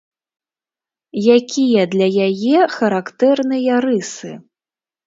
Якія для яе характэрныя рысы?